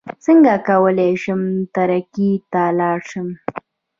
څنګه کولی شم ترکیې ته لاړ شم